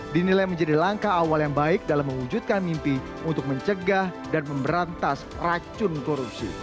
dinilai menjadi langkah awal yang baik dalam mewujudkan mimpi untuk mencegah dan memberantas racun korupsi